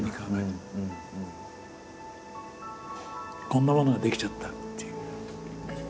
「こんなものができちゃった」っていう。